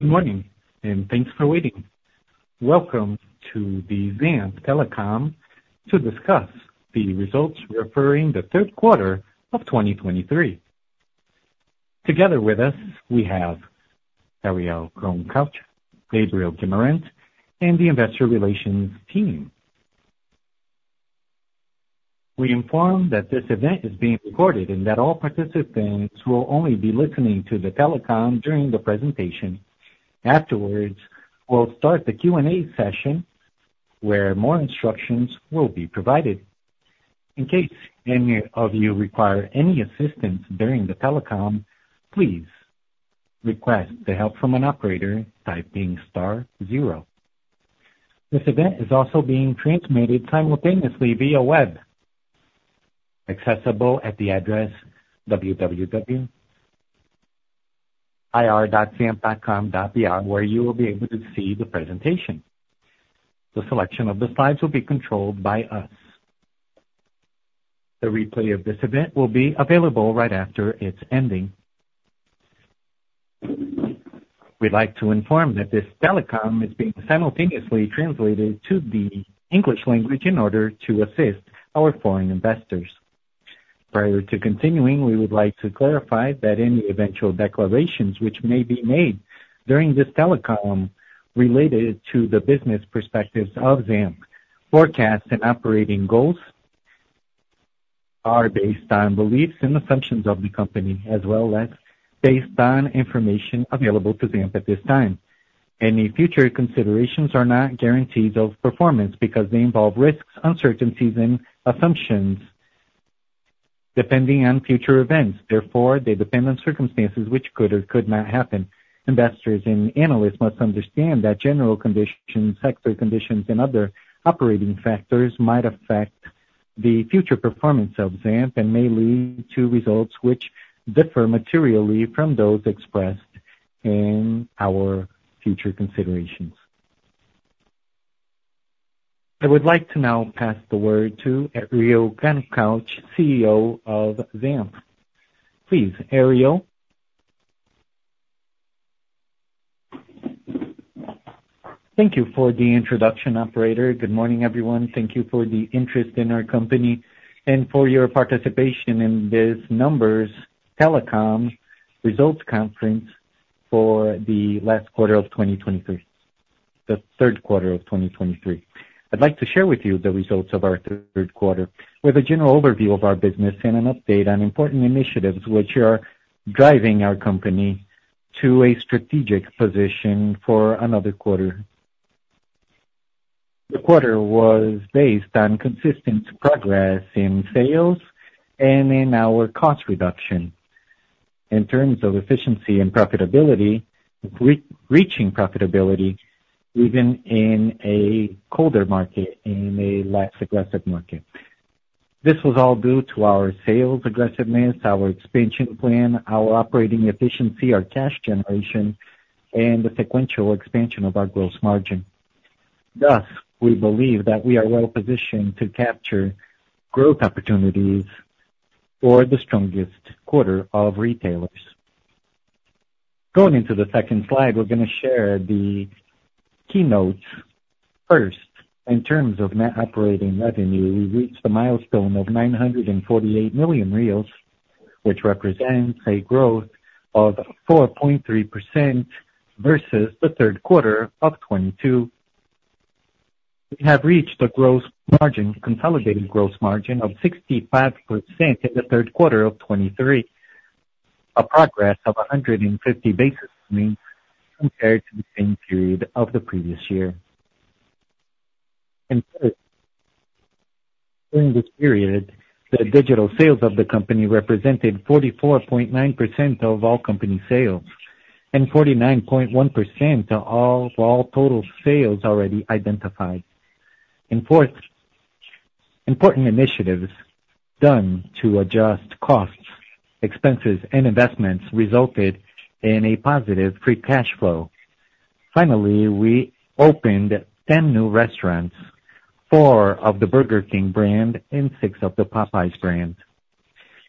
Good morning, and thanks for waiting. Welcome to the ZAMP telecom to discuss the results referring the third quarter of 2023. Together with us, we have Ariel Grunkraut, Gabriel Guimarães, and the investor relations team. We inform that this event is being recorded and that all participants will only be listening to the telecom during the presentation. Afterwards, we'll start the Q&A session, where more instructions will be provided. In case any of you require any assistance during the telecom, please request the help from an operator by typing star zero. This event is also being transmitted simultaneously via web, accessible at the address www.ir.zamp.com.br, where you will be able to see the presentation. The selection of the slides will be controlled by us. The replay of this event will be available right after its ending. We'd like to inform that this telecom is being simultaneously translated to the English language in order to assist our foreign investors. Prior to continuing, we would like to clarify that any eventual declarations which may be made during this telecom related to the business perspectives of ZAMP, forecasts and operating goals are based on beliefs and assumptions of the company, as well as based on information available to ZAMP at this time. Any future considerations are not guarantees of performance because they involve risks, uncertainties, and assumptions depending on future events. Therefore, they depend on circumstances which could or could not happen. Investors and analysts must understand that general conditions, sector conditions, and other operating factors might affect the future performance of ZAMP, and may lead to results which differ materially from those expressed in our future considerations. I would like to now pass the word to Ariel Grunkraut, CEO of ZAMP. Please, Ariel. Thank you for the introduction, operator. Good morning, everyone. Thank you for the interest in our company and for your participation in this numbers telecom results conference for the last quarter of 2023, the third quarter of 2023. I'd like to share with you the results of our third quarter, with a general overview of our business and an update on important initiatives which are driving our company to a strategic position for another quarter. The quarter was based on consistent progress in sales and in our cost reduction. In terms of efficiency and profitability, reaching profitability, even in a colder market, in a less aggressive market. This was all due to our sales aggressiveness, our expansion plan, our operating efficiency, our cash generation, and the sequential expansion of our gross margin. Thus, we believe that we are well positioned to capture growth opportunities for the strongest quarter of retailers. Going into the second slide, we're going to share the key notes. First, in terms of net operating revenue, we reached a milestone of 948 million reais, which represents a growth of 4.3% versus the third quarter of 2022. We have reached a gross margin, consolidated gross margin of 65% in the third quarter of 2023, a progress of 150 basis points compared to the same period of the previous year. And third, during this period, the digital sales of the company represented 44.9% of all company sales, and 49.1% of all, all total sales already identified. And fourth, important initiatives done to adjust costs, expenses, and investments resulted in a positive free cash flow. Finally, we opened 10 new restaurants, four of the Burger King brand and six of the Popeyes brand.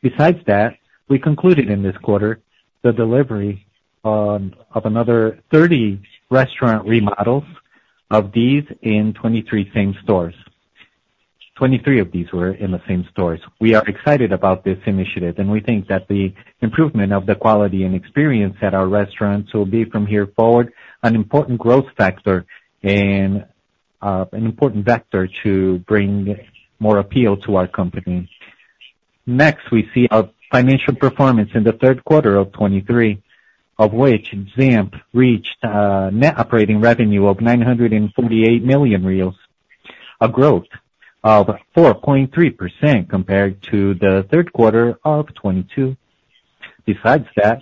Besides that, we concluded in this quarter the delivery, of another 30 restaurant remodels of these in 23 same stores. 23 of these were in the same stores. We are excited about this initiative, and we think that the improvement of the quality and experience at our restaurants will be, from here forward, an important growth factor and, an important factor to bring more appeal to our company. Next, we see our financial performance in the third quarter of 2023, of which ZAMP reached a net operating revenue of 948 million reais, a growth of 4.3% compared to the third quarter of 2022. Besides that,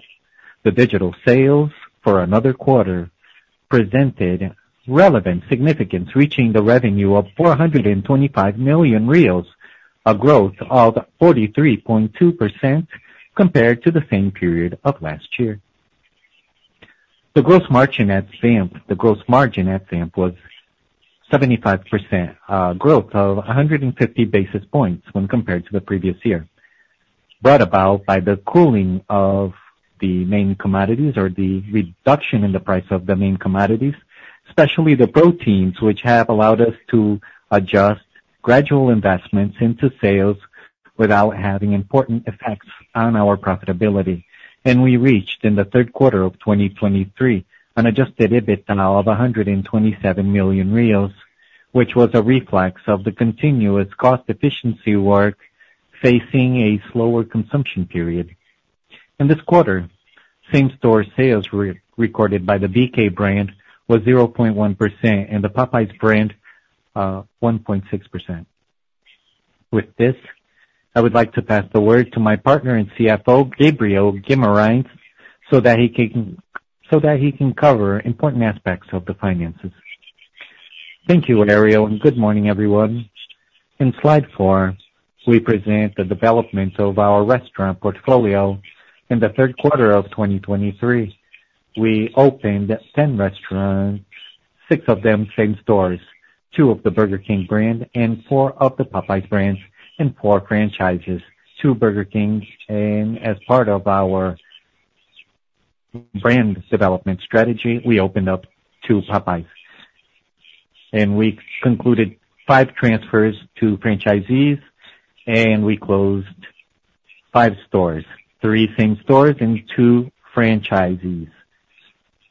the digital sales for another quarter presented relevant significance, reaching the revenue of 425 million reais, a growth of 43.2% compared to the same period of last year. The gross margin at ZAMP, the gross margin at ZAMP was 75%, growth of 150 basis points when compared to the previous year, brought about by the cooling of the main commodities or the reduction in the price of the main commodities, especially the proteins, which have allowed us to adjust gradual investments into sales without having important effects on our profitability. We reached, in the third quarter of 2023, an adjusted EBITDA of 127 million, which was a reflection of the continuous cost efficiency work facing a slower consumption period. In this quarter, same-store sales recorded by the BK brand was 0.1%, and the Popeyes brand, one point six percent. With this, I would like to pass the word to my partner and CFO, Gabriel Guimarães, so that he can cover important aspects of the finances. Thank you, Ariel, and good morning, everyone. In slide 4, we present the development of our restaurant portfolio in the third quarter of 2023. We opened 10 restaurants, six of them same stores, two of the Burger King brand and four of the Popeyes brands and four franchises, two Burger Kings. As part of our brand development strategy, we opened up two Popeyes. We concluded five transfers to franchisees, and we closed five stores, three same stores and two franchisees,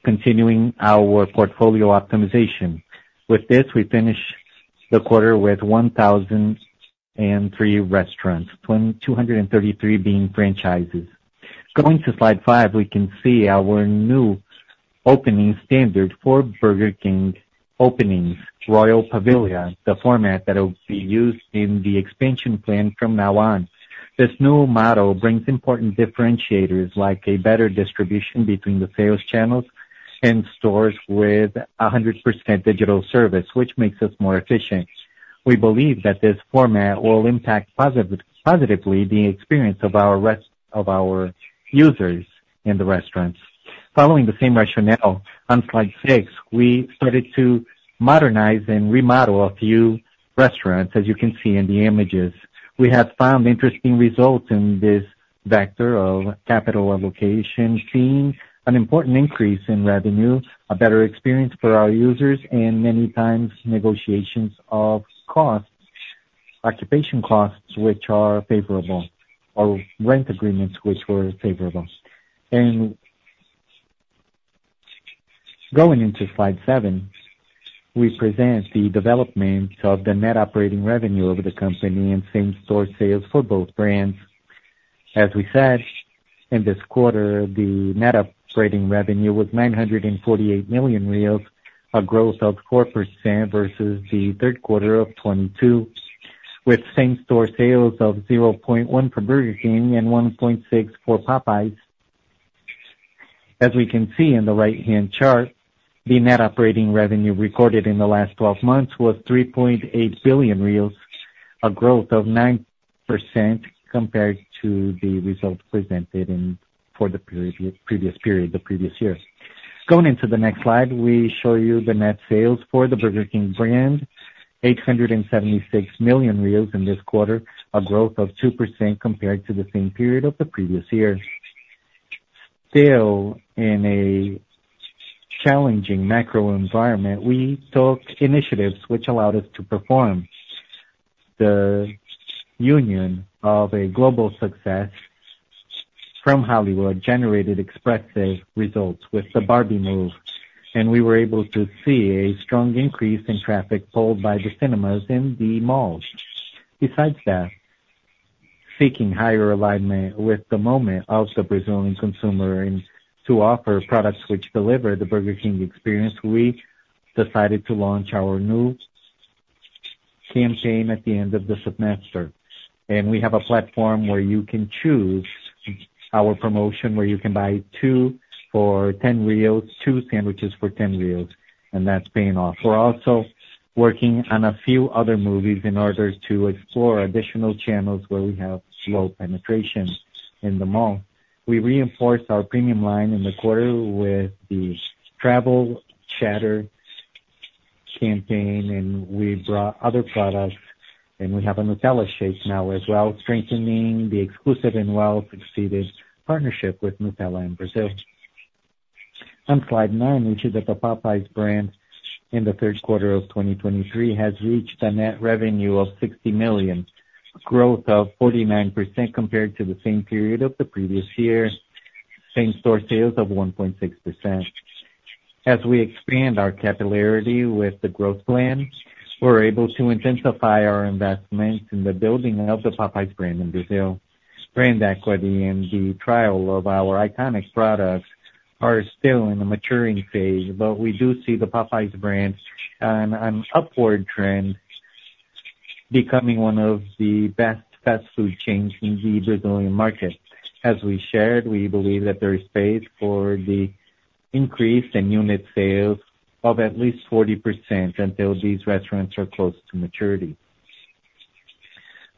continuing our portfolio optimization. With this, we finish the quarter with 1,003 restaurants, 233 being franchises. Going to slide 5, we can see our new opening standard for Burger King openings, Royal Pavilion, the format that will be used in the expansion plan from now on. This new model brings important differentiators, like a better distribution between the sales channels and stores with 100% digital service, which makes us more efficient. We believe that this format will impact positively the experience of our users in the restaurants. Following the same rationale, on slide 6, we started to modernize and remodel a few restaurants, as you can see in the images. We have found interesting results in this vector of capital allocation, seeing an important increase in revenue, a better experience for our users, and many times negotiations of costs, occupation costs, which are favorable, or rent agreements, which were favorable. Going into slide seven, we present the development of the net operating revenue of the company and same-store sales for both brands. As we said, in this quarter, the net operating revenue was 948 million reais, a growth of 4% versus the third quarter of 2022, with same-store sales of 0.1 for Burger King and 1.6 for Popeyes. As we can see in the right-hand chart, the net operating revenue recorded in the last 12 months was 3.8 billion, a growth of 9% compared to the results presented for the previous period, the previous years. Going into the next slide, we show you the net sales for the Burger King brand, 876 million in this quarter, a growth of 2% compared to the same period of the previous year. Still, in a challenging macro environment, we took initiatives which allowed us to perform. The union of a global success from Hollywood generated expressive results with the Barbie movie, and we were able to see a strong increase in traffic pulled by the cinemas and the malls. Besides that, seeking higher alignment with the moment of the Brazilian consumer and to offer products which deliver the Burger King experience, we decided to launch our new campaign at the end of the semester. And we have a platform where you can choose our promotion, where you can buy two for 10 BRL, two sandwiches for 10 BRL, and that's paying off. We're also working on a few other movies in order to explore additional channels where we have slow penetration in the mall. We reinforced our premium line in the quarter with the Truffle Cheddar campaign, and we brought other products, and we have a Nutella shake now as well, strengthening the exclusive and well-succeeded partnership with Nutella in Brazil. On slide 9, which is of the Popeyes brand in the third quarter of 2023, has reached a net revenue of 60 million, a growth of 49% compared to the same period of the previous year. Same-store sales of 1.6%. As we expand our capillarity with the growth plan, we're able to intensify our investments in the building of the Popeyes brand in Brazil. Brand equity and the trial of our iconic products are still in the maturing phase, but we do see the Popeyes brand on an upward trend, becoming one of the best fast food chains in the Brazilian market. As we shared, we believe that there is space for the increase in unit sales of at least 40% until these restaurants are close to maturity.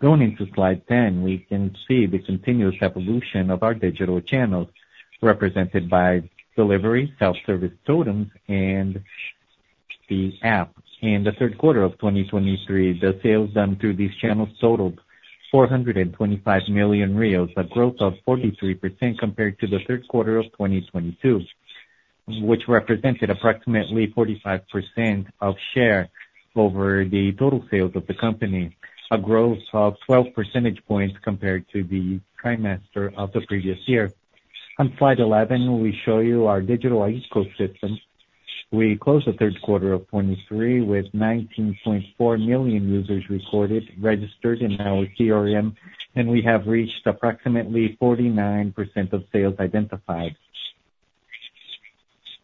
Going into slide 10, we can see the continuous evolution of our digital channels, represented by delivery, self-service totems and the app. In the third quarter of 2023, the sales done through these channels totaled 425 million, a growth of 43% compared to the third quarter of 2022, which represented approximately 45% of share over the total sales of the company, a growth of 12 percentage points compared to the trimester of the previous year. On slide 11, we show you our digital ecosystem. We closed the third quarter of 2023 with 19.4 million users recorded, registered in our CRM, and we have reached approximately 49% of sales identified.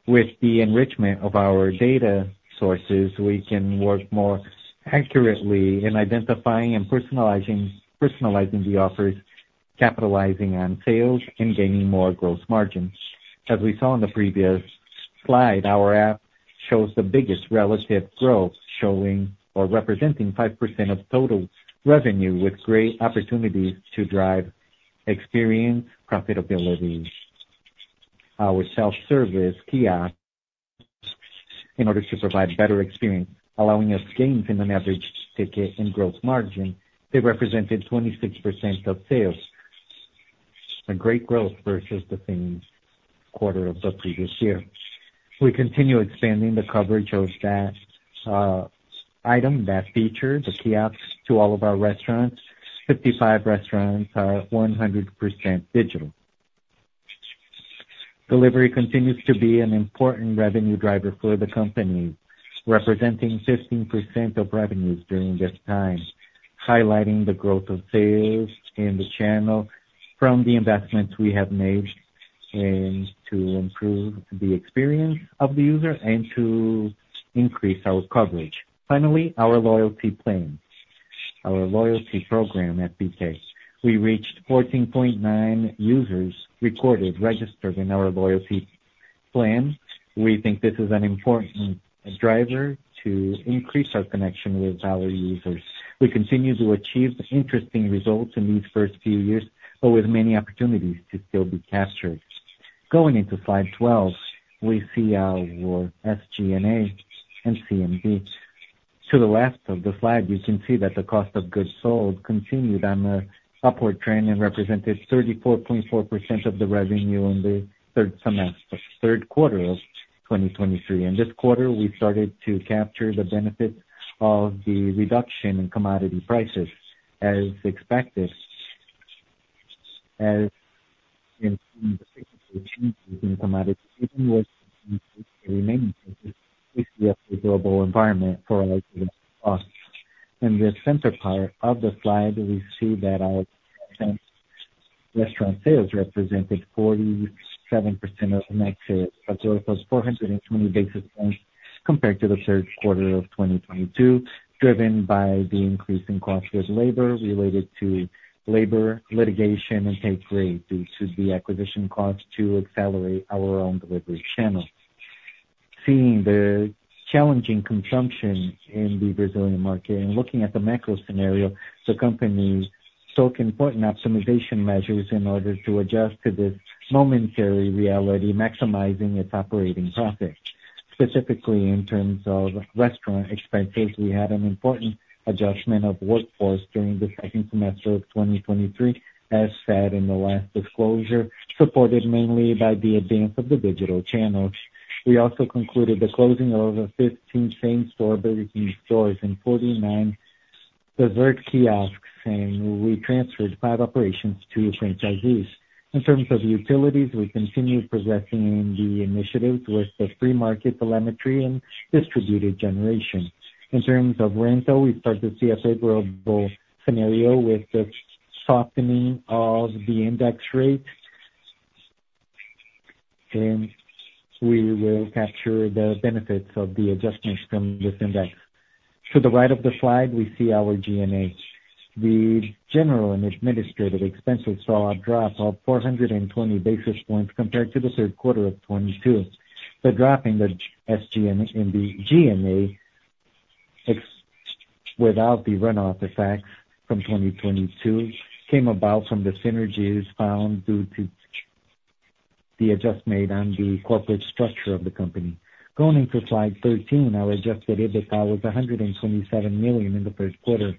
With the enrichment of our data sources, we can work more accurately in identifying and personalizing, personalizing the offers, capitalizing on sales, and gaining more gross margins. As we saw in the previous slide, our app shows the biggest relative growth, showing or representing 5% of total revenue, with great opportunities to drive experience profitability. Our self-service kiosk, in order to provide better experience, allowing us gains in an average ticket and gross margin, they represented 26% of sales, a great growth versus the same quarter of the previous year. We continue expanding the coverage of that item, that feature, the kiosks, to all of our restaurants. 55 restaurants are 100% digital. Delivery continues to be an important revenue driver for the company, representing 15% of revenues during this time, highlighting the growth of sales in the channel from the investments we have made and to improve the experience of the user and to increase our coverage. Finally, our loyalty plan. Our loyalty program at BK. We reached 14.9 users recorded, registered in our loyalty plan. We think this is an important driver to increase our connection with our users. We continue to achieve interesting results in these first few years, but with many opportunities to still be captured. Going into slide 12, we see our SG&A and CMB. To the left of the slide, you can see that the cost of goods sold continued on a upward trend and represented 34.4% of the revenue in the third semester-- third quarter of 2023. In this quarter, we started to capture the benefit of the reduction in commodity prices as expected, as in the changes in commodity, even with the remaining global environment for our costs. In the center part of the slide, we see that our restaurant sales represented 47% of net sales, plus 420 basis points compared to the third quarter of 2022, driven by the increase in cost of labor related to labor litigation and pay grade, due to the acquisition cost to accelerate our own delivery channel. Seeing the challenging consumption in the Brazilian market and looking at the macro scenario, the company took important optimization measures in order to adjust to this momentary reality, maximizing its operating profit. Specifically, in terms of restaurant expenses, we had an important adjustment of workforce during the second semester of 2023, as said in the last disclosure, supported mainly by the advance of the digital channels. We also concluded the closing of 15 same-store Burger King stores and 49 the Vert kiosks, and we transferred five operations to franchisees. In terms of utilities, we continue progressing in the initiatives with the free market telemetry and distributed generation. In terms of rental, we start to see a favorable scenario with the softening of the index rate. We will capture the benefits of the adjustments from this index. To the right of the slide, we see our SG&A. The general and administrative expenses saw a drop of 420 basis points compared to the third quarter of 2022. The drop in the SG&A in the SG&A, without the runoff effects from 2022, came about from the synergies found due to the adjustment made on the corporate structure of the company. Going into slide 13, our adjusted EBITDA was 127 million in the first quarter,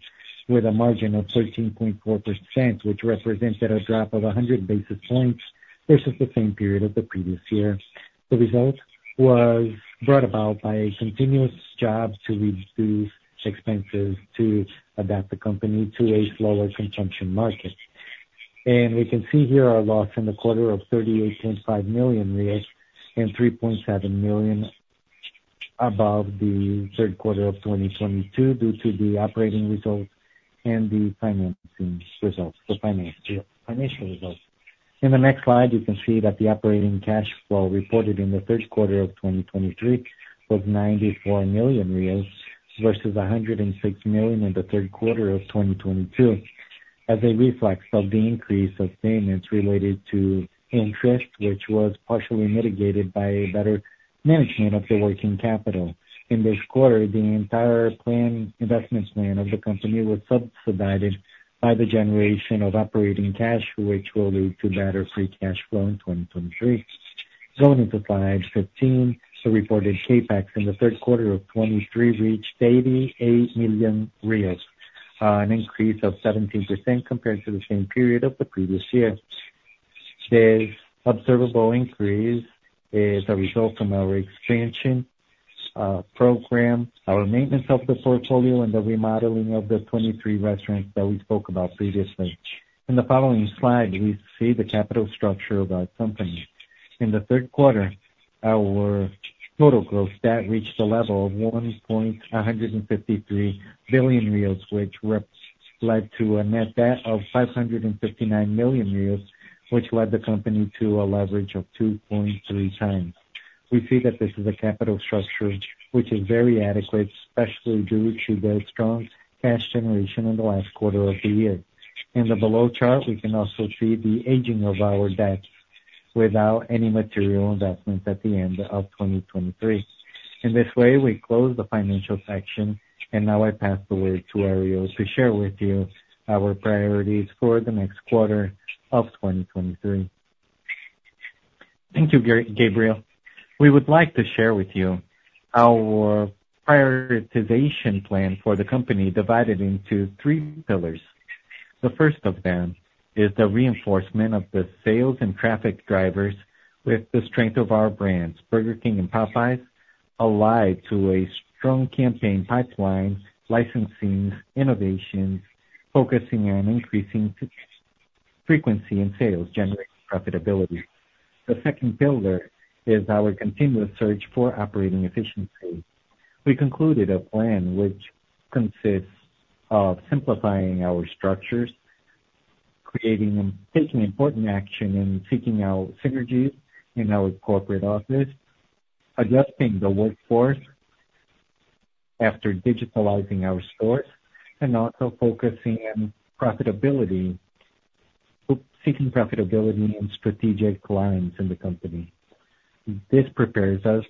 with a margin of 13.4%, which represented a drop of 100 basis points versus the same period of the previous year. The result was brought about by a continuous job to reduce expenses to adapt the company to a slower consumption market. We can see here our loss in the quarter of 38.5 million and 3.7 million above the third quarter of 2022, due to the operating results and the financing results, the finance, the financial results. In the next slide, you can see that the operating cash flow reported in the third quarter of 2023 was 94 million, versus 106 million in the third quarter of 2022, as a result of the increase of payments related to interest, which was partially mitigated by better management of the working capital. In this quarter, the entire plan, investments plan of the company was subsidized by the generation of operating cash, which will lead to better free cash flow in 2023. Going into slide 15, the reported CapEx in the third quarter of 2023 reached 88 million, an increase of 17% compared to the same period of the previous year. This observable increase is a result from our expansion program, our maintenance of the portfolio, and the remodeling of the 23 restaurants that we spoke about previously. In the following slide, we see the capital structure of our company. In the third quarter, our total gross debt reached a level of 1.153 billion reais, which represented a net debt of 559 million reais, which led the company to a leverage of 2.3x. We see that this is a capital structure which is very adequate, especially due to the strong cash generation in the last quarter of the year. In the below chart, we can also see the aging of our debt without any material investment at the end of 2023. In this way, we close the financial section, and now I pass the word to Ariel to share with you our priorities for the next quarter of 2023. Thank you, Gabriel. We would like to share with you our prioritization plan for the company, divided into three pillars. The first of them is the reinforcement of the sales and traffic drivers with the strength of our brands, Burger King and Popeyes, allied to a strong campaign pipeline, licensing, innovation, focusing on increasing frequency and sales, generating profitability. The second pillar is our continuous search for operating efficiency. We concluded a plan which consists of simplifying our structures, creating and taking important action in seeking out synergies in our corporate office, adjusting the workforce after digitalizing our stores, and also focusing on profitability, seeking profitability and strategic lines in the company. This prepares us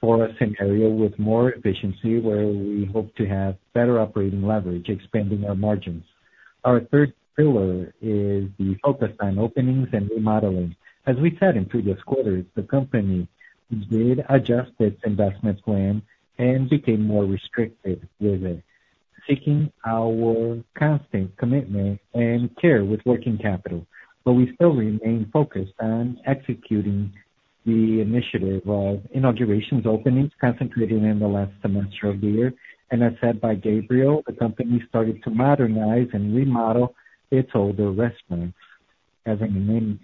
for a scenario with more efficiency, where we hope to have better operating leverage, expanding our margins. Our third pillar is the focus on openings and remodeling. As we said in previous quarters, the company did adjust its investment plan and became more restrictive with it, seeking our constant commitment and care with working capital. But we still remain focused on executing the initiative of inaugurations, openings, concentrated in the last semester of the year. And as said by Gabriel, the company started to modernize and remodel its older restaurants. As an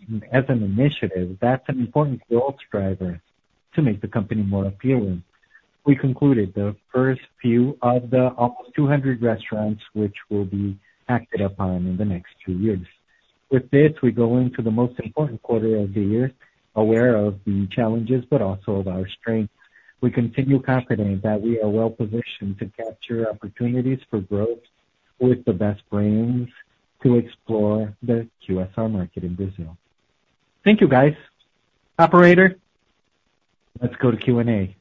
initiative, that's an important growth driver to make the company more appealing. We concluded the first few of the almost 200 restaurants, which will be acted upon in the next two years. With this, we go into the most important quarter of the year, aware of the challenges, but also of our strength. We continue confident that we are well positioned to capture opportunities for growth with the best brands to explore the QSR market in Brazil. Thank you, guys. Operator, let's go to Q&A.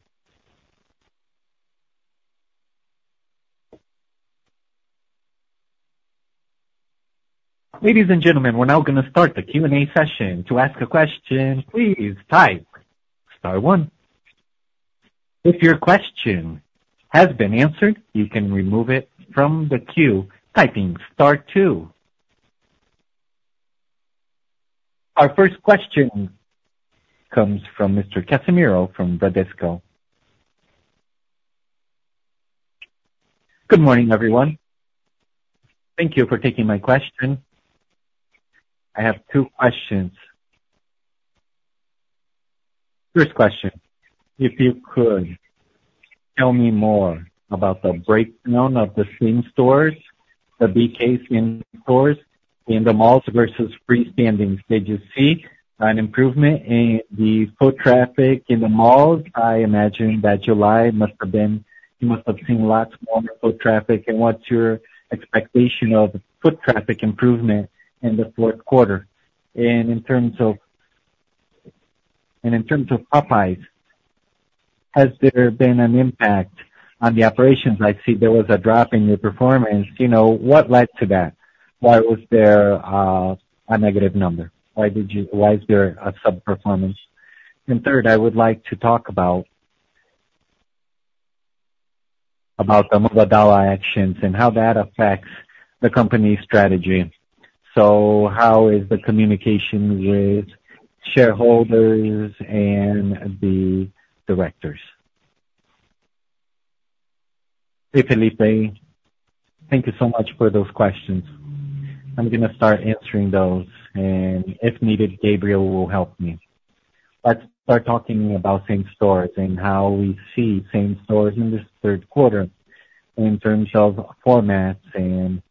Ladies and gentlemen, we're now gonna start the Q&A session. To ask a question, please type star one. If your question has been answered, you can remove it from the queue, typing star two. Our first question comes from Mr. Cassimiro, from Bradesco. Good morning, everyone. Thank you for taking my question. I have two questions. First question: If you could tell me more about the breakdown of the same stores, the BK same stores, in the malls versus freestanding. Did you see an improvement in the foot traffic in the malls? I imagine that July must have been... You must have seen lots more foot traffic, and what's your expectation of foot traffic improvement in the fourth quarter? And in terms of, and in terms of Popeyes, has there been an impact on the operations? I see there was a drop in the performance. You know, what led to that? Why was there a negative number? Why did you-- Why is there a sub-performance? And third, I would like to talk about... About the Mubadala actions and how that affects the company's strategy. So how is the communication with shareholders and the directors? Hey, Felipe. Thank you so much for those questions. I'm gonna start answering those, and if needed, Gabriel will help me. Let's start talking about same stores and how we see same stores in this third quarter in terms of formats, and,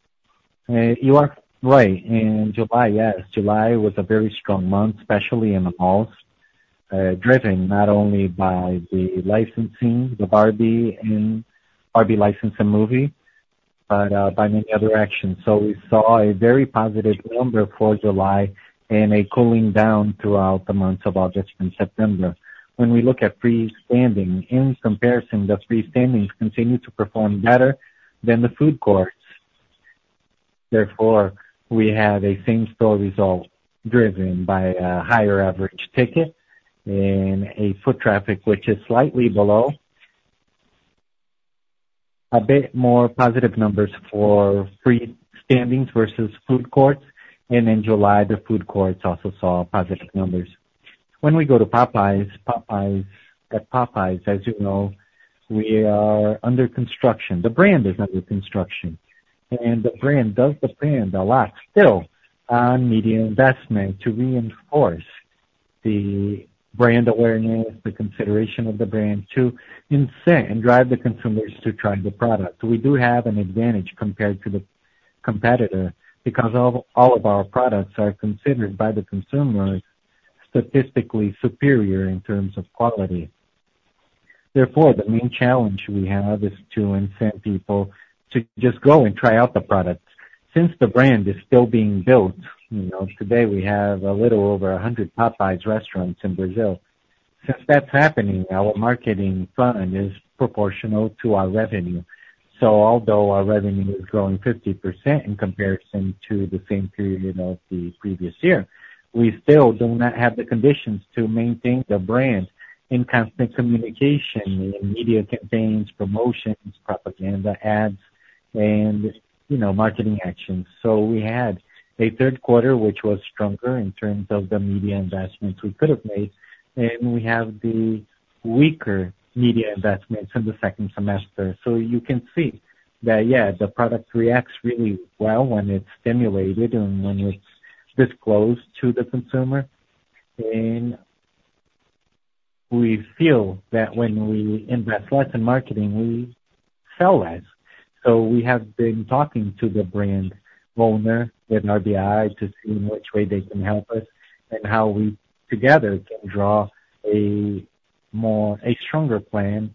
you are right, in July, yes, July was a very strong month, especially in the malls, driven not only by the licensing, the Barbie and Barbie licensing movie, but, by many other actions. So we saw a very positive number for July and a cooling down throughout the months of August and September. When we look at freestanding, in comparison, the freestandings continue to perform better than the food courts. Therefore, we have a same-store result driven by a higher average ticket and a foot traffic, which is slightly below. A bit more positive numbers for freestanding versus food courts, and in July, the food courts also saw positive numbers. When we go to Popeyes, at Popeyes, as you know, we are under construction. The brand is under construction, and the brand does depend a lot still on media investment to reinforce the brand awareness, the consideration of the brand, to incent and drive the consumers to try the product. We do have an advantage compared to the competitor, because of all of our products are considered by the consumers statistically superior in terms of quality. Therefore, the main challenge we have is to incent people to just go and try out the products. Since the brand is still being built, you know, today we have a little over 100 Popeyes restaurants in Brazil. Since that's happening, our marketing fund is proportional to our revenue. So although our revenue is growing 50% in comparison to the same period of the previous year, we still do not have the conditions to maintain the brand in constant communication, in media campaigns, promotions, propaganda, ads, and, you know, marketing actions. So we had a third quarter, which was stronger in terms of the media investments we could have made, and we have the weaker media investments in the second semester. So you can see that, yeah, the product reacts really well when it's stimulated and when it's disclosed to the consumer. And we feel that when we invest less in marketing, we sell less. So we have been talking to the brand owner, with RBI, to see in which way they can help us and how we, together, can draw a stronger plan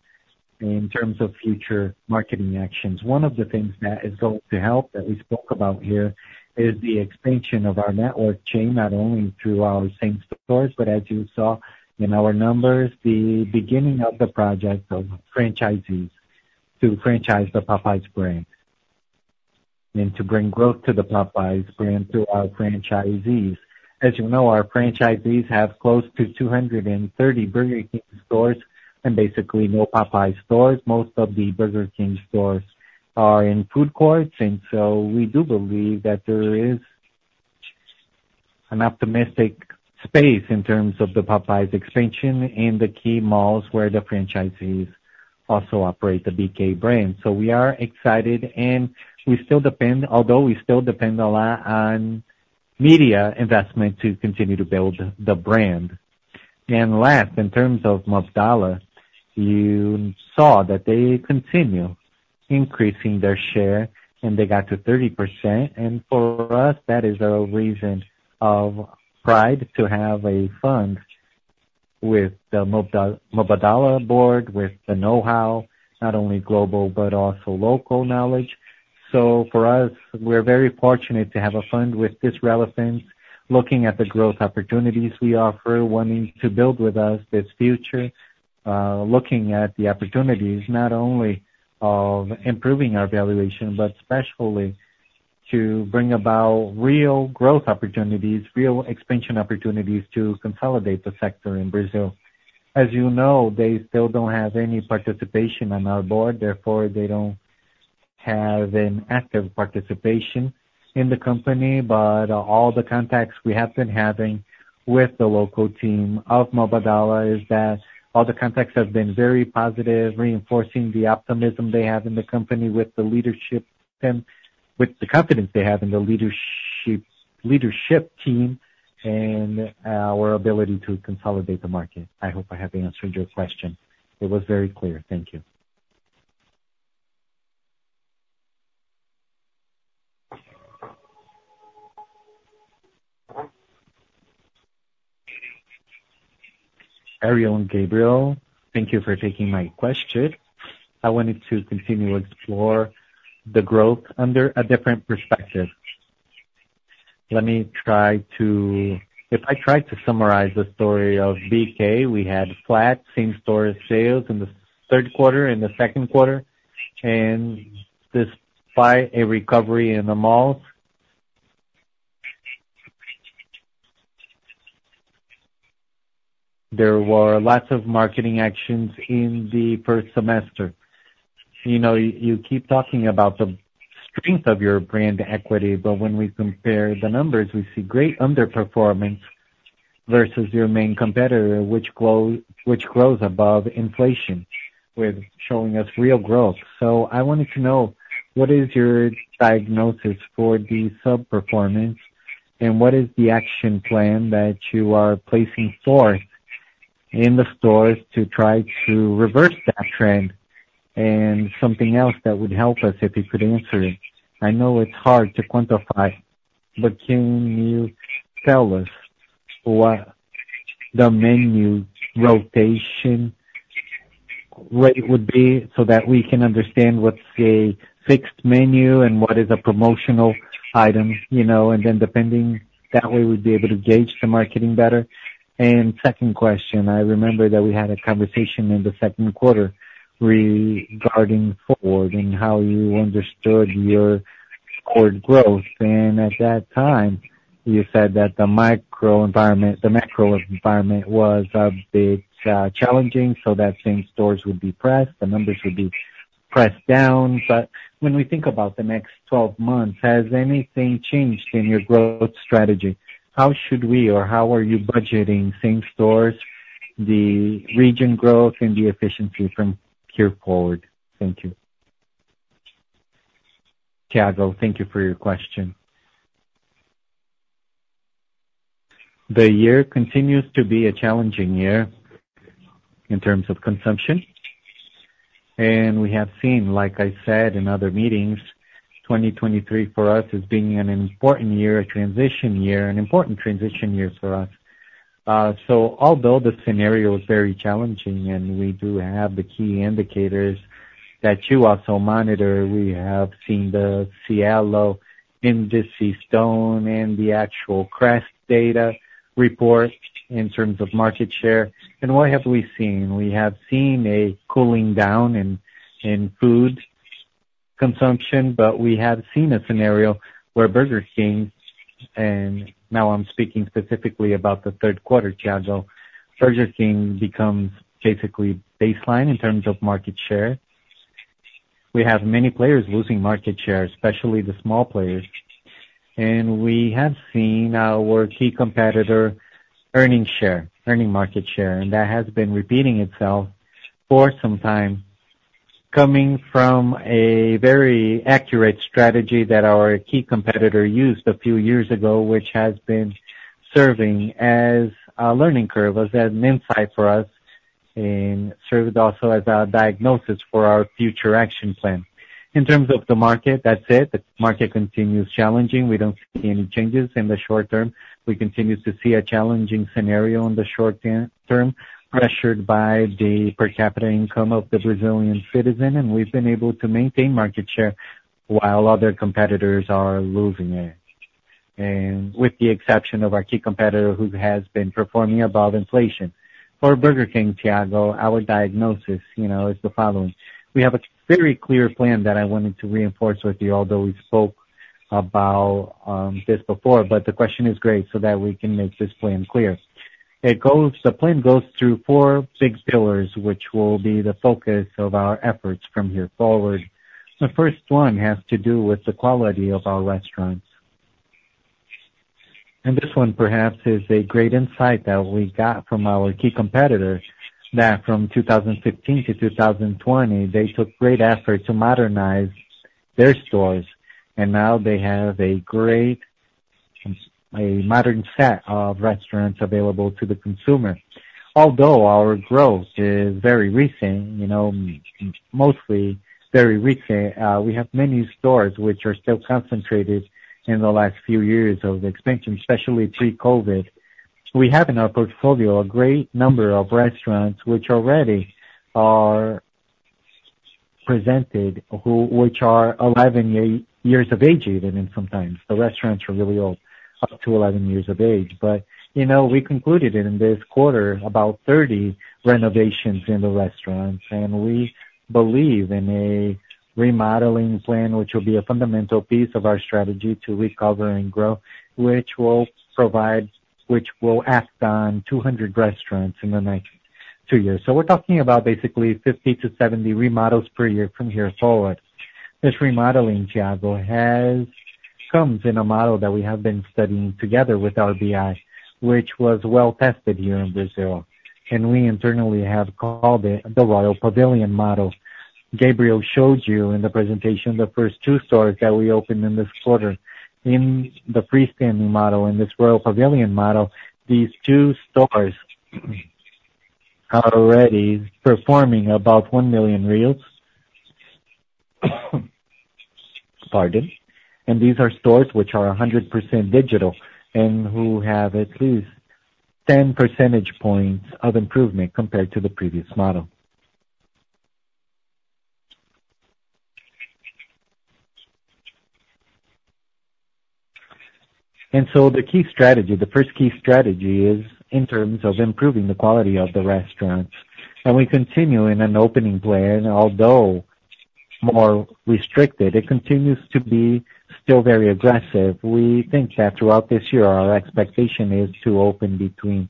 in terms of future marketing actions. One of the things that is going to help, that we spoke about here, is the expansion of our network chain, not only through our same stores, but as you saw in our numbers, the beginning of the project of franchisees to franchise the Popeyes brand and to bring growth to the Popeyes brand through our franchisees. As you know, our franchisees have close to 230 Burger King stores and basically no Popeyes stores. Most of the Burger King stores are in food courts, and so we do believe that there is an optimistic space in terms of the Popeyes expansion in the key malls where the franchisees also operate the BK brand. So we are excited and we still depend, although we still depend a lot on media investment to continue to build the brand. Last, in terms of Mubadala, you saw that they continue increasing their share, and they got to 30%. For us, that is a reason of pride to have a fund with the Mubadala board, with the know-how, not only global, but also local knowledge. For us, we're very fortunate to have a fund with this relevance, looking at the growth opportunities we offer, wanting to build with us this future, looking at the opportunities not only of improving our valuation, but especially to bring about real growth opportunities, real expansion opportunities to consolidate the sector in Brazil. As you know, they still don't have any participation on our board, therefore, they don't have an active participation in the company. But all the contacts we have been having with the local team of Mubadala is that all the contacts have been very positive, reinforcing the optimism they have in the company with the leadership team. With the confidence they have in the leadership, leadership team and our ability to consolidate the market. I hope I have answered your question. It was very clear. Thank you. Ariel and Gabriel, thank you for taking my question. I wanted to continue to explore the growth under a different perspective. If I try to summarize the story of BK, we had flat same-store sales in the third quarter and the second quarter, and despite a recovery in the malls, there were lots of marketing actions in the first semester. You know, you keep talking about the strength of your brand equity, but when we compare the numbers, we see great underperformance versus your main competitor, which grow, which grows above inflation, showing us real growth. So I wanted to know, what is your diagnosis for the underperformance, and what is the action plan that you are putting forth in the stores to try to reverse that trend? Something else that would help us, if you could answer it. I know it's hard to quantify, but can you tell us what the menu rotation rate would be so that we can understand what's a fixed menu and what is a promotional item, you know, and then depending, that way, we'd be able to gauge the marketing better. Second question: I remember that we had a conversation in the second quarter-... Regarding forward and how you understood your core growth. At that time, you said that the micro environment, the macro environment was a bit challenging, so that same stores would be pressed, the numbers would be pressed down. But when we think about the next 12 months, has anything changed in your growth strategy? How should we or how are you budgeting same stores, the region growth and the efficiency from here forward? Thank you. Tiago, thank you for your question. The year continues to be a challenging year in terms of consumption, and we have seen, like I said in other meetings, 2023 for us is being an important year, a transition year, an important transition year for us. So although the scenario is very challenging and we do have the key indicators that you also monitor, we have seen the Cielo Index, Stone Index, and the actual Crest Data report in terms of market share. What have we seen? We have seen a cooling down in food consumption, but we have seen a scenario where Burger King, and now I'm speaking specifically about the third quarter, Tiago. Burger King becomes basically baseline in terms of market share. We have many players losing market share, especially the small players. We have seen our key competitor earning share, earning market share, and that has been repeating itself for some time, coming from a very accurate strategy that our key competitor used a few years ago, which has been serving as a learning curve, as an insight for us, and served also as a diagnosis for our future action plan. In terms of the market, that's it. The market continues challenging. We don't see any changes in the short term. We continue to see a challenging scenario on the short term, pressured by the per capita income of the Brazilian citizen, and we've been able to maintain market share while other competitors are losing it. With the exception of our key competitor, who has been performing above inflation. For Burger King, Tiago, our diagnosis, you know, is the following: We have a very clear plan that I wanted to reinforce with you, although we spoke about this before, but the question is great, so that we can make this plan clear. It goes. The plan goes through four big pillars, which will be the focus of our efforts from here forward. The first one has to do with the quality of our restaurants. And this one, perhaps, is a great insight that we got from our key competitors, that from 2015 to 2020, they took great effort to modernize their stores, and now they have a great, a modern set of restaurants available to the consumer. Although our growth is very recent, you know, mostly very recent, we have many stores which are still concentrated in the last few years of expansion, especially pre-COVID. We have in our portfolio a great number of restaurants which already are presented, which are 11 years of age even, and sometimes the restaurants are really old, up to 11 years of age. But, you know, we concluded in this quarter about 30 renovations in the restaurants, and we believe in a remodeling plan, which will be a fundamental piece of our strategy to recover and grow, which will provide, which will act on 200 restaurants in the next two years. So we're talking about basically 50-70 remodels per year from here forward. This remodeling, Tiago, comes in a model that we have been studying together with RBI, which was well tested here in Brazil, and we internally have called it the Royal Pavilion model. Gabriel showed you in the presentation the first two stores that we opened in this quarter. In the Freestanding model, in this Royal Pavilion model, these two stores are already performing about 1 million. Pardon. These are stores which are 100% digital and who have at least 10 percentage points of improvement compared to the previous model. So the key strategy, the first key strategy is in terms of improving the quality of the restaurants. We continue in an opening plan, although more restricted, it continues to be still very aggressive. We think that throughout this year, our expectation is to open between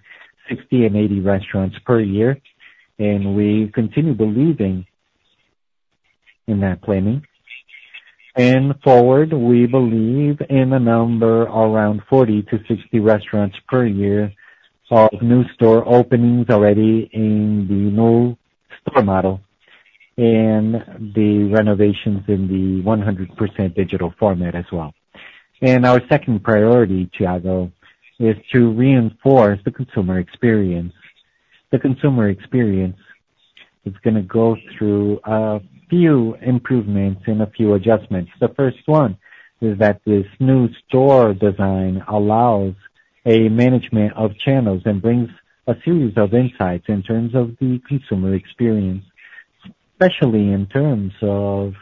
60 and 80 restaurants per year, and we continue believing in that planning. And forward, we believe in a number around 40-60 restaurants per year of new store openings already in the new store model and the renovations in the 100% digital format as well. And our second priority, Tiago, is to reinforce the consumer experience. The consumer experience is gonna go through a few improvements and a few adjustments. The first one is that this new store design allows a management of channels and brings a series of insights in terms of the consumer experience, especially in terms of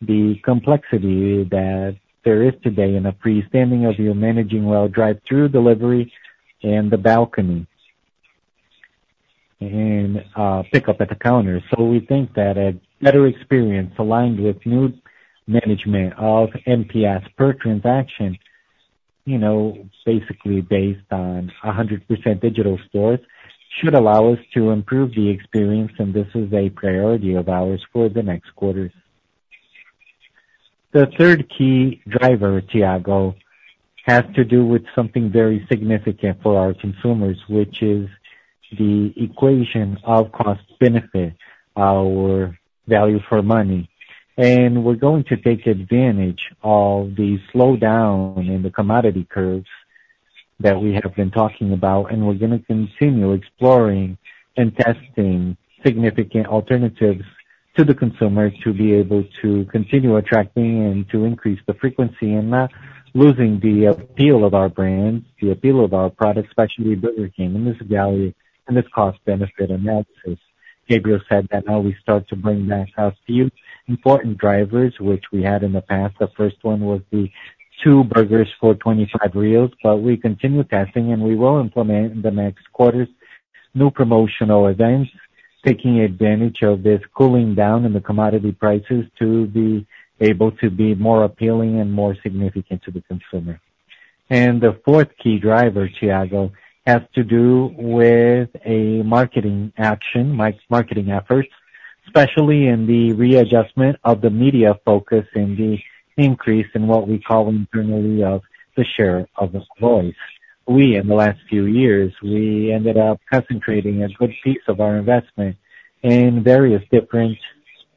the complexity that there is today in a freestanding of you managing well drive-thru delivery and the balcony, and pick up at the counter. So we think that a better experience, aligned with new management of MPS per transaction, you know, basically based on 100% digital stores, should allow us to improve the experience, and this is a priority of ours for the next quarters. The third key driver, Tiago, has to do with something very significant for our consumers, which is the equation of cost benefit, our value for money. And we're going to take advantage of the slowdown in the commodity curves that we have been talking about, and we're gonna continue exploring and testing significant alternatives to the consumers to be able to continue attracting and to increase the frequency and not losing the appeal of our brand, the appeal of our product, especially Burger King, and this value and this cost benefit analysis. Gabriel said that now we start to bring back a few important drivers, which we had in the past. The first one was the two burgers for 25 BRL. But we continue testing, and we will implement in the next quarters new promotional events, taking advantage of this cooling down in the commodity prices to be able to be more appealing and more significant to the consumer. And the fourth key driver, Tiago, has to do with a marketing action, marketing efforts, especially in the readjustment of the media focus and the increase in what we call internally of the share of the voice. We, in the last few years, ended up concentrating a good piece of our investment in various different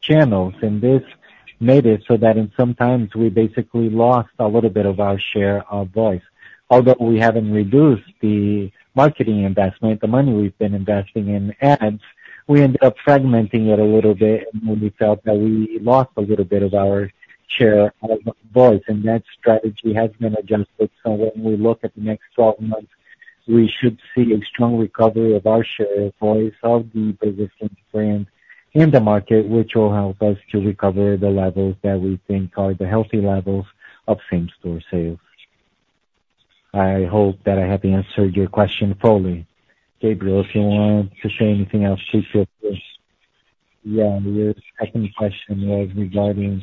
channels, and this made it so that sometimes we basically lost a little bit of our share of voice. Although we haven't reduced the marketing investment, the money we've been investing in ads, we ended up fragmenting it a little bit, and we felt that we lost a little bit of our share of voice, and that strategy has been adjusted. So when we look at the next twelve months, we should see a strong recovery of our share of voice, of the business brand in the market, which will help us to recover the levels that we think are the healthy levels of same store sales. I hope that I have answered your question fully. Gabriel, if you want to say anything else, please feel free. Yeah, your second question was regarding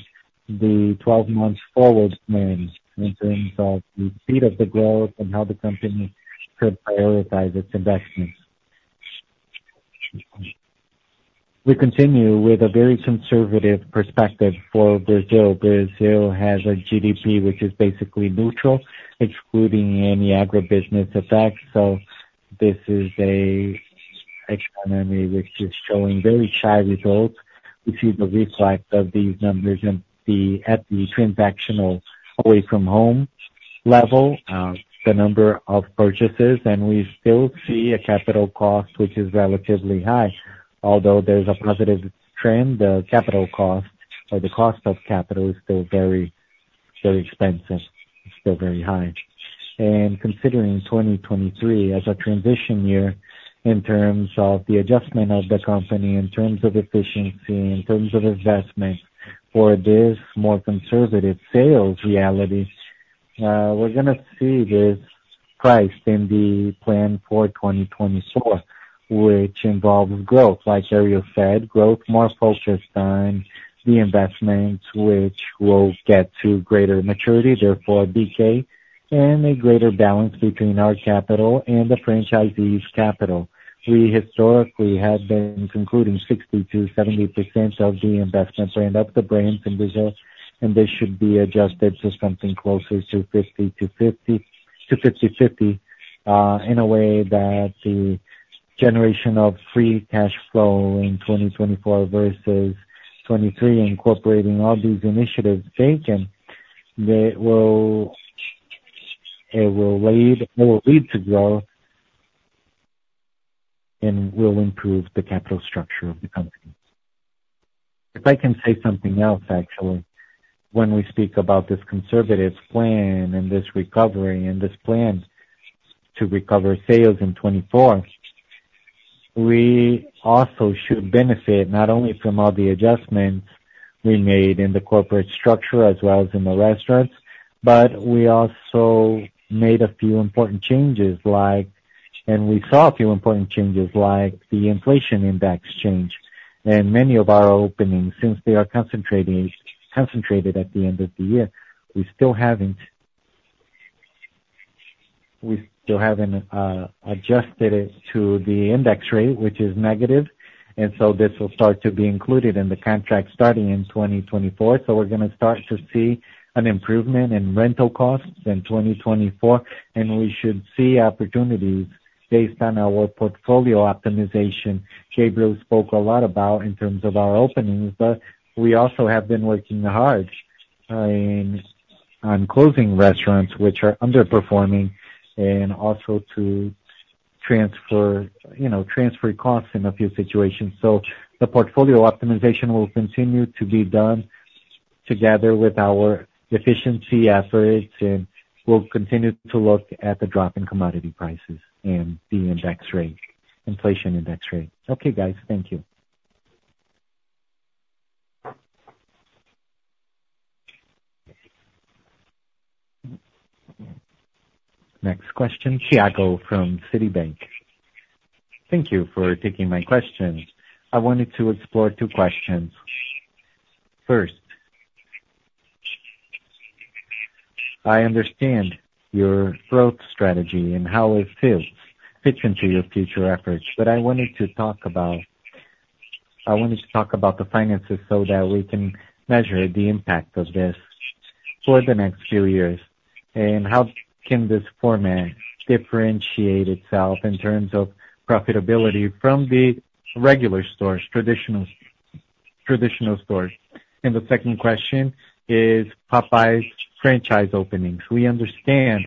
the 12 months forward plans in terms of the speed of the growth and how the company should prioritize its investments. We continue with a very conservative perspective for Brazil. Brazil has a GDP, which is basically neutral, excluding any agribusiness effects. So this is an economy which is showing very shy results, which is a reflection of these numbers and then, at the transactional away from home level, the number of purchases, and we still see a capital cost, which is relatively high. Although there's a positive trend, the capital cost or the cost of capital is still very, very expensive. It's still very high. And considering 2023 as a transition year in terms of the adjustment of the company, in terms of efficiency, in terms of investment for this more conservative sales reality, we're gonna see this priced in the plan for 2024, which involves growth. Like Ariel said, growth more focused on the investments which will get to greater maturity, therefore decay, and a greater balance between our capital and the franchisees' capital. We historically have been concluding 60%-70% of the investments and of the brands in Brazil, and this should be adjusted to something closer to 50 to 50, to 50/50, in a way that the generation of free cash flow in 2024 versus 2023, incorporating all these initiatives taken, they will-- it will lead, it will lead to growth and will improve the capital structure of the company. If I can say something else, actually. When we speak about this conservative plan and this recovery, and this plan to recover sales in 2024, we also should benefit not only from all the adjustments we made in the corporate structure as well as in the restaurants, but we also made a few important changes, like, and we saw a few important changes, like the inflation index change and many of our openings, since they are concentrating, concentrated at the end of the year. We still haven't adjusted it to the index rate, which is negative, and so this will start to be included in the contract starting in 2024. So we're gonna start to see an improvement in rental costs in 2024, and we should see opportunities based on our portfolio optimization. Gabriel spoke a lot about in terms of our openings, but we also have been working hard on, on closing restaurants which are underperforming and also to transfer, you know, transfer costs in a few situations. So the portfolio optimization will continue to be done together with our efficiency efforts, and we'll continue to look at the drop in commodity prices and the index rate... inflation index rate. Okay, guys, thank you. Next question, Tiago from Citibank. Thank you for taking my question. I wanted to explore two questions. First, I understand your growth strategy and how it fits, fits into your future efforts. But I wanted to talk about, I wanted to talk about the finances so that we can measure the impact of this for the next few years. And how can this format differentiate itself in terms of profitability from the regular stores, traditional, traditional stores? The second question is Popeyes franchise openings. We understand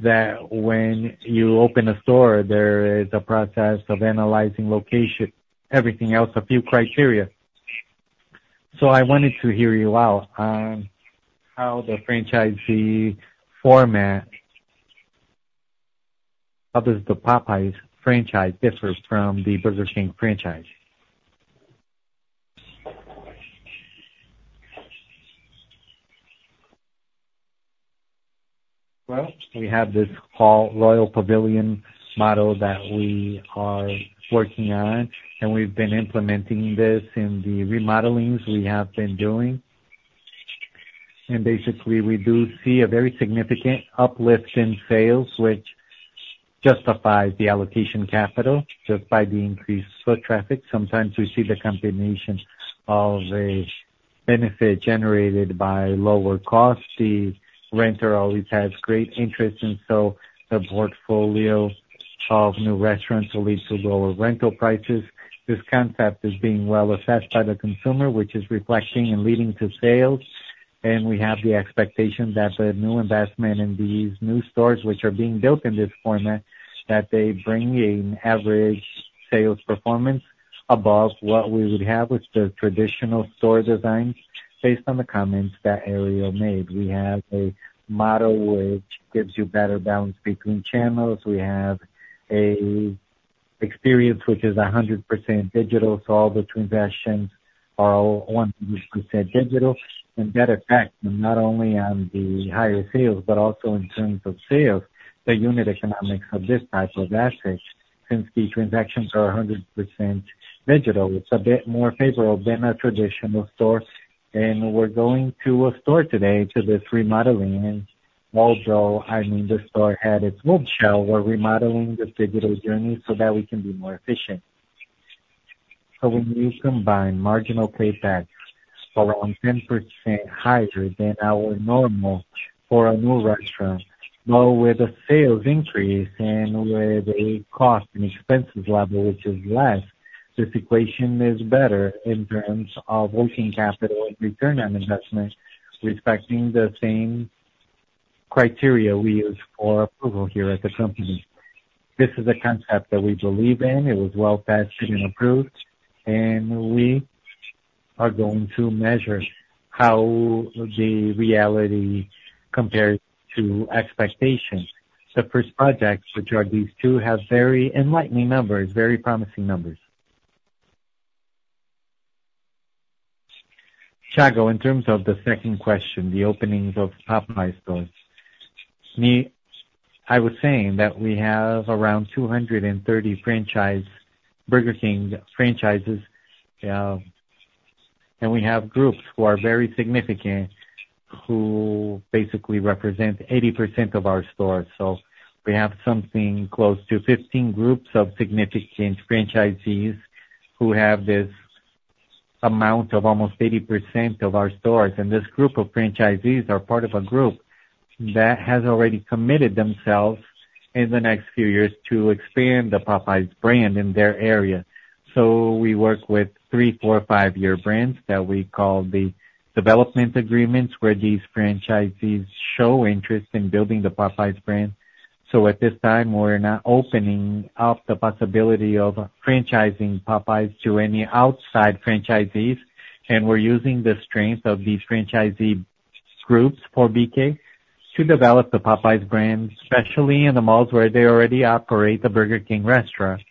that when you open a store, there is a process of analyzing location, everything else, a few criteria. I wanted to hear you out on how the franchisee format, how does the Popeyes franchise differ from the Burger King franchise? Well, we have this whole Royal Pavilion model that we are working on, and we've been implementing this in the remodelings we have been doing. Basically, we do see a very significant uplift in sales, which justifies the allocation capital just by the increased foot traffic. Sometimes we see the combination of a benefit generated by lower costs. The renter always has great interest, and so the portfolio of new restaurants will lead to lower rental prices. This concept is being well assessed by the consumer, which is reflecting and leading to sales, and we have the expectation that the new investment in these new stores, which are being built in this format, that they bring an average sales performance above what we would have with the traditional store design, based on the comments that Ariel made. We have a model which gives you better balance between channels. We have an experience which is 100% digital, so all the transactions are 100% digital. And that affects not only on the higher sales, but also in terms of sales, the unit economics of this type of asset. Since the transactions are 100% digital, it's a bit more favorable than a traditional store. And we're going to a store today to this remodeling. Although, I mean, the store had its good share, we're remodeling the digital journey so that we can be more efficient. So when you combine marginal paybacks around 10% higher than our normal for a new restaurant, but with a sales increase and with a cost and expenses level which is less, this equation is better in terms of working capital and return on investment, respecting the same criteria we use for approval here at the company. This is a concept that we believe in. It was well tested and approved, and we are going to measure how the reality compares to expectations. The first projects, which are these two, have very enlightening numbers, very promising numbers. Tiago, in terms of the second question, the openings of Popeyes stores. I was saying that we have around 230 franchise Burger King franchises, and we have groups who are very significant, who basically represent 80% of our stores. So we have something close to 15 groups of significant franchisees who have this amount of almost 80% of our stores. And this group of franchisees are part of a group that has already committed themselves in the next few years to expand the Popeyes brand in their area. So we work with 3-, 4-, or 5-year brands that we call the development agreements, where these franchisees show interest in building the Popeyes brand. So at this time, we're not opening up the possibility of franchising Popeyes to any outside franchisees, and we're using the strength of these franchisee groups for BK to develop the Popeyes brand, especially in the malls where they already operate the Burger King restaurant.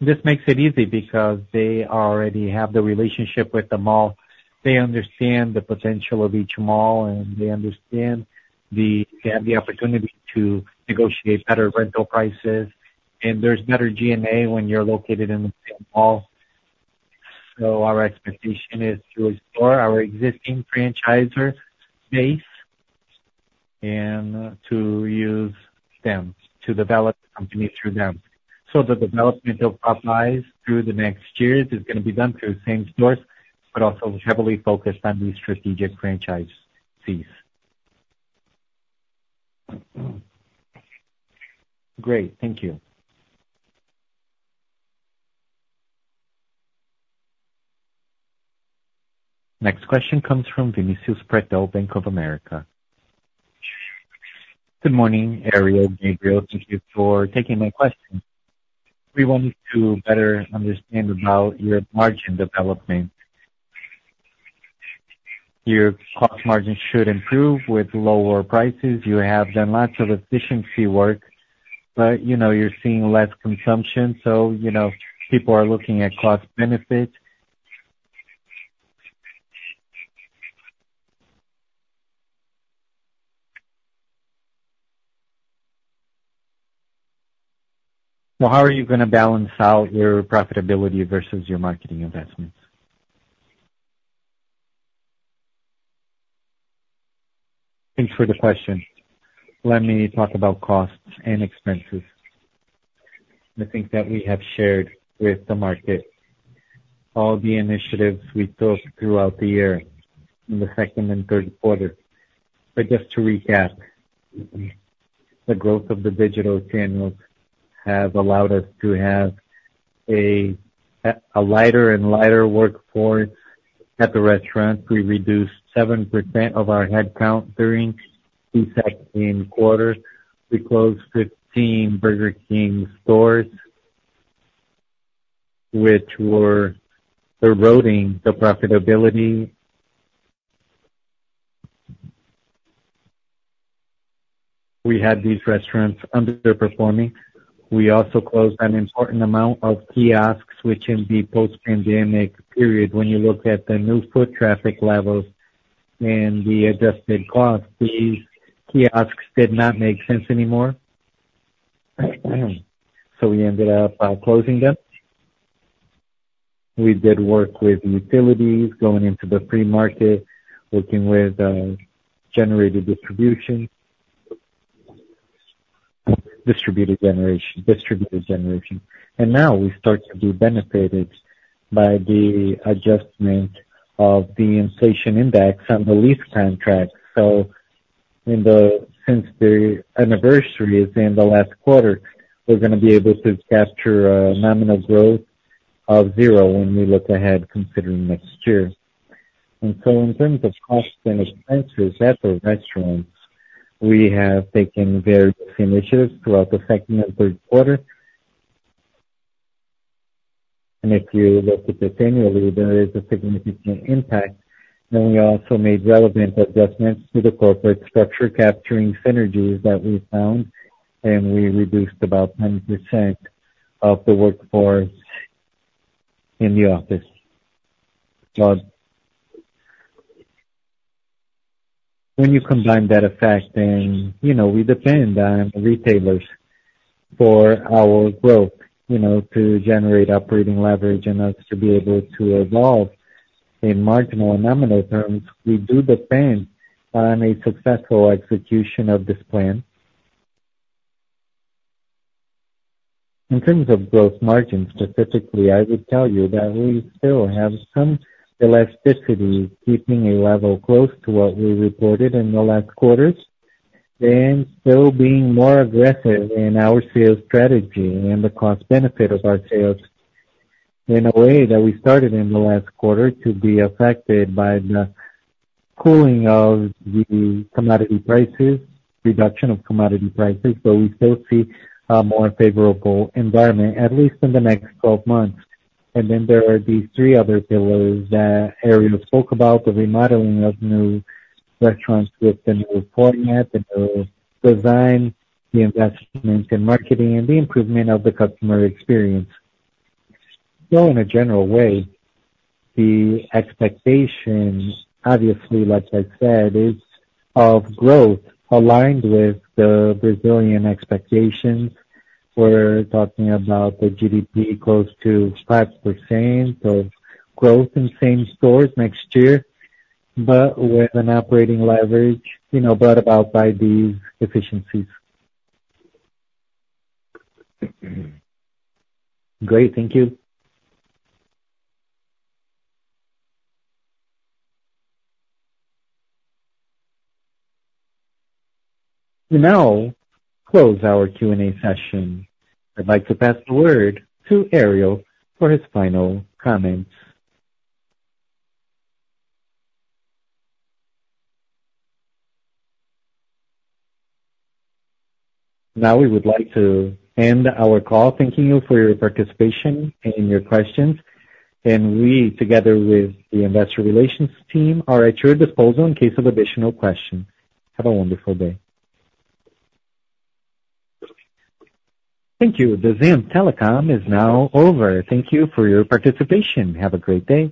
This makes it easy because they already have the relationship with the mall. They understand the potential of each mall, and they understand they have the opportunity to negotiate better rental prices, and there's better G&A when you're located in the same mall. So our expectation is to explore our existing franchisor base and to use them to develop the company through them. So the development of Popeyes through the next years is gonna be done through the same stores, but also heavily focused on these strategic franchisees. Great. Thank you. Next question comes from Vinicius Pretto, Bank of America. Good morning, Ariel, Gabriel. Thank you for taking my question. We want to better understand about your margin development. Your cost margin should improve with lower prices. You have done lots of efficiency work, but, you know, you're seeing less consumption, so, you know, people are looking at cost benefits. Well, how are you gonna balance out your profitability versus your marketing investments? Thanks for the question. Let me talk about costs and expenses. I think that we have shared with the market all the initiatives we took throughout the year, in the second and third quarter. But just to recap, the growth of the digital channels have allowed us to have a lighter and lighter workforce at the restaurant. We reduced 7% of our headcount during the second quarter. We closed 15 Burger King stores, which were eroding the profitability. We had these restaurants underperforming. We also closed an important amount of kiosks, which in the post-pandemic period, when you look at the new foot traffic levels and the adjusted costs, these kiosks did not make sense anymore. So we ended up closing them. We did work with utilities, going into the free market, working with distributed generation. And now we start to be benefited by the adjustment of the inflation index on the lease contract. So, since the anniversary is in the last quarter, we're gonna be able to capture a nominal growth of zero when we look ahead considering next year. And so in terms of costs and expenses at the restaurants, we have taken various initiatives throughout the second and third quarter. And if you look at this annually, there is a significant impact. Then we also made relevant adjustments to the corporate structure, capturing synergies that we found, and we reduced about 10% of the workforce in the office. But when you combine that effect, then, you know, we depend on retailers for our growth, you know, to generate operating leverage and us to be able to evolve in marginal and nominal terms. We do depend on a successful execution of this plan. In terms of gross margin, specifically, I would tell you that we still have some elasticity, keeping a level close to what we reported in the last quarters, and still being more aggressive in our sales strategy and the cost benefit of our sales in a way that we started in the last quarter to be affected by the cooling of the commodity prices, reduction of commodity prices, so we still see a more favorable environment, at least in the next 12 months. Then there are these three other pillars that Ariel spoke about: the remodeling of new restaurants with the new format, the new design, the investment in marketing, and the improvement of the customer experience. In a general way, the expectation, obviously, like I said, is of growth aligned with the Brazilian expectations. We're talking about the GDP close to 5% of growth in same stores next year, but with an operating leverage, you know, brought about by these efficiencies. Great. Thank you. We now close our Q&A session. I'd like to pass the word to Ariel for his final comments. Now, we would like to end our call, thanking you for your participation and your questions. We, together with the investor relations team, are at your disposal in case of additional questions. Have a wonderful day. Thank you. The ZAMP Telecom is now over. Thank you for your participation. Have a great day.